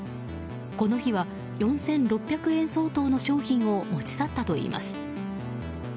この日は４６００円相当の商品を持ち去ったといいます。